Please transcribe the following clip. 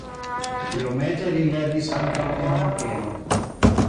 Iomete li lernis ankaŭ en Munkeno.